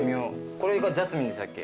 これがジャスミンでしたっけ。